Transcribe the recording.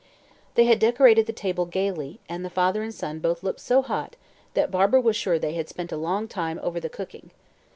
They had decorated the table gaily, and the father and son both looked so hot, that Barbara was sure they had spent a long time over the cooking.